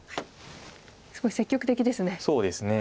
すごい積極的ですね。